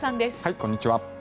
こんにちは。